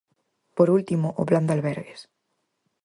Por último, o Plan de albergues.